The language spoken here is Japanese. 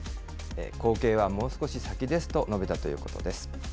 後継はもう少し先ですと述べたということです。